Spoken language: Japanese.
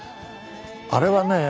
あれはね